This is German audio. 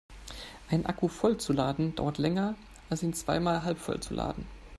Einen Akku voll zu laden dauert länger als ihn zweimal halbvoll zu laden.